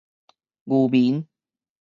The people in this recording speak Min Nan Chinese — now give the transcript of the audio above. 漁民